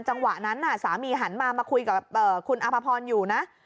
จังหวะนั้นสามีหันมามาคุยกับคุณอภพรอยู่นะ